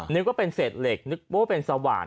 นึกว่าเป็นเศษเหล็กนึกว่าเป็นสว่าน